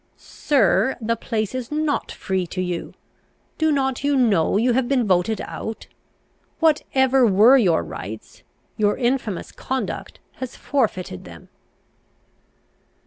"Sir, the place is not free to you. Do not you know, you have been voted out? Whatever were your rights, your infamous conduct has forfeited them."